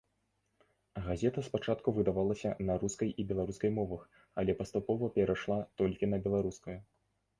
Газета спачатку выдавалася на рускай і беларускай мовах, але паступова перайшла толькі на беларускую.